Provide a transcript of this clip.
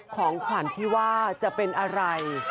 ของขวัญที่ว่าจะเป็นอะไร